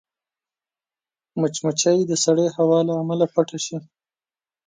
مچمچۍ د سړې هوا له امله پټه شي